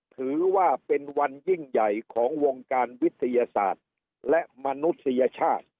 ถือว่าเป็นวันยิ่งใหญ่ของวงการวิทยาศาสตร์และมนุษยชาติ